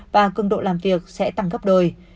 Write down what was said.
và cường độ làm việc sẽ tăng gấp đôi